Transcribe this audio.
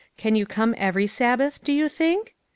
Can you come every Sabbath, do you think?